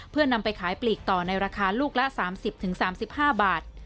เพื่อนำไปขายปลีกต่อในราคาลูกละ๓๐๓๕บาท